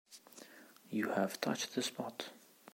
You have touched the spot.